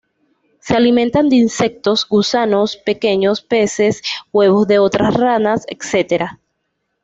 Se alimentan de insectos, gusanos, pequeños peces, huevos de otras ranas, etc.